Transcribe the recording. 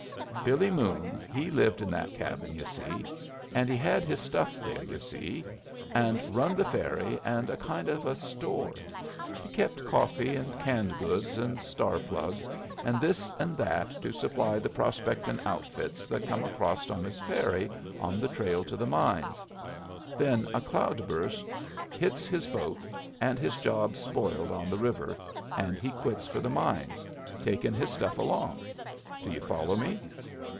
Billy Moon he lived in that cabin, yu' see. And he had his stuff there, yu, see, and run the ferry, and a kind of a store. He kept coffee and canned goods and star plug and this and that to supply the prospectin' outfits that come acrosst on his ferry on the trail to the mines. Then a cloud burst hits his boat and his job's spoiled on the river, and he quits for the mines, takin' his stuff along do you follow me?